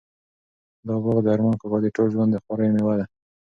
دا باغ د ارمان کاکا د ټول ژوند د خواریو مېوه ده.